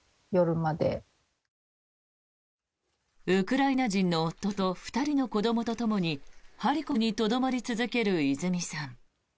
ウクライナ人の夫と２人の子どもとともにハリコフにとどまり続けるいづみさん。